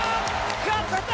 勝った！